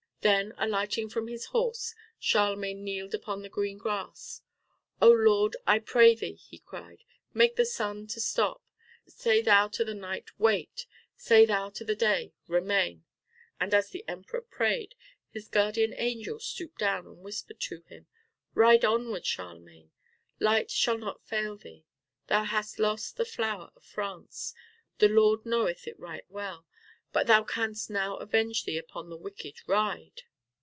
Then, alighting from his horse, Charlemagne kneeled upon the green grass. "Oh Lord, I pray thee," he cried, "make the sun to stop. Say thou to the night, 'wait.' Say thou to the day, 'remain.'" And as the Emperor prayed, his guardian angel stooped down and whispered to him, "Ride onward, Charlemagne! Light shall not fail thee. Thou hast lost the flower of France. The Lord knoweth it right well. But thou canst now avenge thee upon the wicked. Ride!"